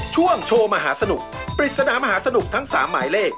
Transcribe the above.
ช่วงโชว์มหาสนุกปริศนามหาสนุกทั้ง๓หมายเลข